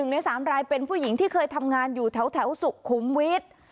ใน๓รายเป็นผู้หญิงที่เคยทำงานอยู่แถวสุขุมวิทย์